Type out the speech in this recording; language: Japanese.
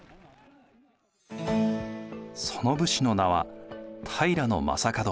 その武士の名は平将門。